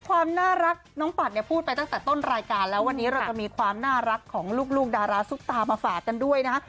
ความน่ารักน้องปัดเนี่ยพูดไปตั้งแต่ต้นรายการแล้ววันนี้เราจะมีความน่ารักของลูกดาราซุปตามาฝากกันด้วยนะฮะ